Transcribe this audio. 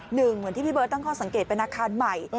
เหมือนที่พี่เบิร์ตตั้งข้อสังเกตเป็นอาคารใหม่